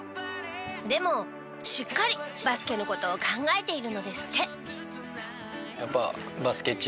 でもしっかりバスケの事を考えているのですって。